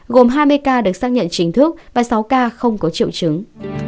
gồm hai mươi ca được xác nhận chính thức và sáu ca không có triệu chứng